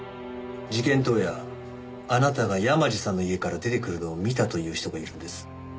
事件当夜あなたが山路さんの家から出てくるのを見たという人がいるんです。